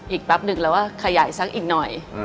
อีกปั๊บหนึ่งแล้วว่าขยายสักอีกหน่อย